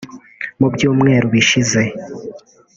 Mu byumweru bishize